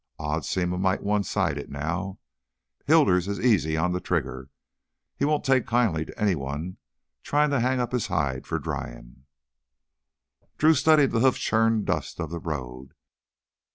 Odds seem a mite one sided now Hilders is easy on the trigger. He won't take kindly to anyone tryin' to hang up his hide for dryin' " Drew studied the hoof churned dust of the road.